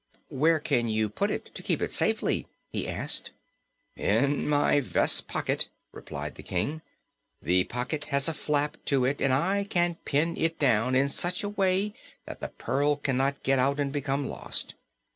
"Where can you put it, to keep it safely?" he asked. "In my vest pocket," replied the King. "The pocket has a flap to it and I can pin it down in such a way that the pearl cannot get out and become lost.